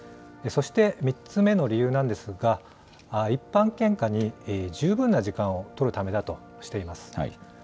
そして３つ目の理由なんですが、一般献花に十分な時間を取るためだとしています。